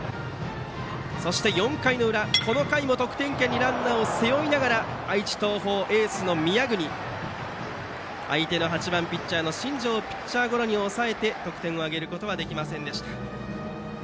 そして４回裏、この回も得点圏にランナーを背負いながら愛知・東邦、エースの宮國相手の８番ピッチャーの新庄をピッチャーゴロに抑えて得点を挙げることはできませんでした。